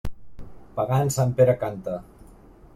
Pagant, sant Pere canta!